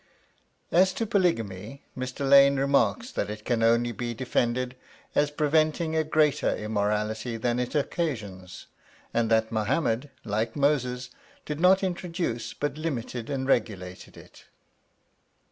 As to polygamy, Mr. Lane remarks that it can only be defended as preventing a greater immorality than it occasions; and that Mohammed, like Moses, did not introduce but limited and regulated it.